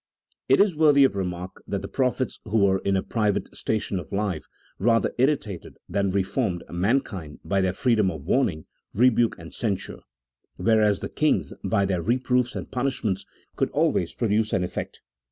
II. It is worthy of remark that the prophets, who were in a private station of life, rather irritated than reformed mankind by their freedom of warning, rebuke, and censure ; whereas the kings, by their reproofs and punishments, could always produce an effect.